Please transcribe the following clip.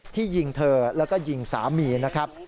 ที่ยิงเธอแล้วก็ยิงสามีนะครับ